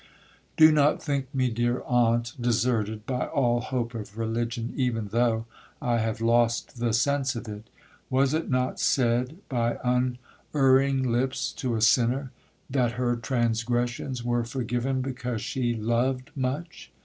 'Do not think me, dear aunt, deserted by all hope of religion, even though I have lost the sense of it. Was it not said by unerring lips to a sinner, that her transgressions were forgiven because she loved much?